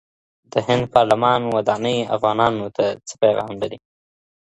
د هند پارلمان ودانۍ افغانانو ته څه پيغام لري؟